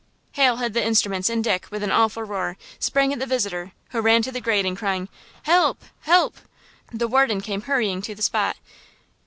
Hal hid the instruments and Dick, with an awful roar, sprang at the visitor, who ran to the grating crying: "Help–help!" The warden came hurrying to the spot.